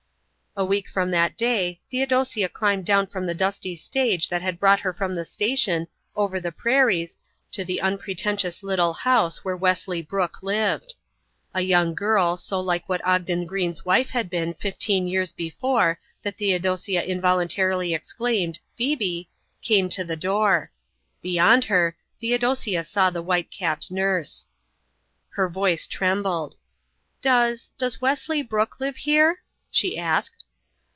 A week from that day Theodosia climbed down from the dusty stage that had brought her from the station over the prairies to the unpretentious little house where Wesley Brooke lived. A young girl, so like what Ogden Greene's wife had been fifteen years before that Theodosia involuntarily exclaimed, "Phoebe," came to the door. Beyond her, Theodosia saw the white capped nurse. Her voice trembled. "Does does Wesley Brooke live here?" she asked.